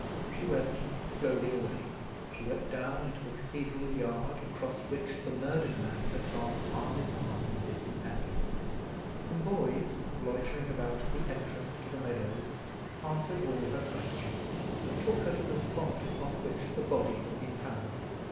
She went slowly away. She went down into the cathedral yard, across which the murdered man had gone arm in arm with his companion. Some boys, loitering about at the entrance to the meadows, answered all her questions, and took her to the spot upon which the body had been found.